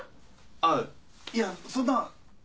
あぁいやそんな。